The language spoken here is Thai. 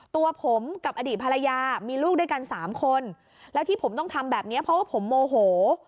ตัวผมกับอดีตภรรยามีลูกด้วยกันสามคนแล้วที่ผมต้องทำแบบนี้เพราะว่าผมโมโห